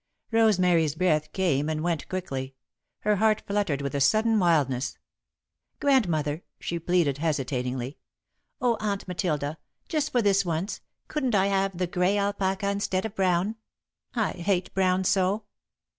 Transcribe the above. Rosemary's breath came and went quickly; her heart fluttered with a sudden wildness. "Grandmother," she pleaded, hesitatingly, "oh, Aunt Matilda just for this once, couldn't I have grey alpaca instead of brown? I hate brown so!"